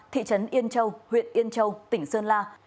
thị trấn yên châu huyện yên châu tỉnh sơn la